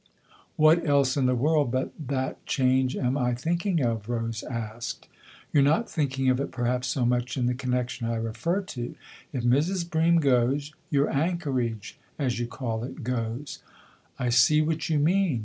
" What else in the world but that change am I thinking of ?" Rose asked. " You're not thinking of it perhaps so much in the connection I refer to. If Mrs. Bream goes, your 'anchorage,' as you call it, goes." " I see what you mean."